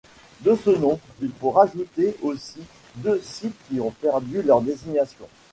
De ce nombre, il faut rajouté aussi deux sites qui ont perdu leur désignations.